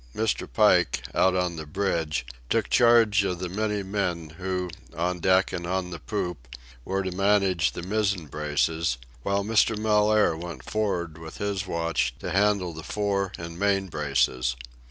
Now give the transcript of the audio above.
Mr. Pike, out on the bridge, took charge of the many men who, on deck and on the poop, were to manage the mizzen braces, while Mr. Mellaire went for'ard with his watch to handle the fore and main braces.